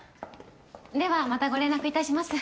ではまたご連絡いたします。